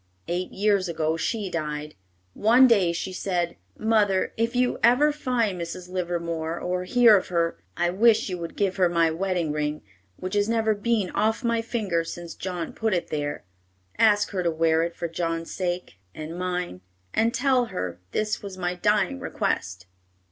Eight years ago she died. One day she said, 'Mother, if you ever find Mrs. Livermore, or hear of her, I wish you would give her my wedding ring, which has never been off my finger since John put it there. Ask her to wear it for John's sake and mine, and tell her this was my dying request.'"